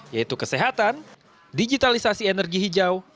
yaitu kesehatan digitalisasi energi hijau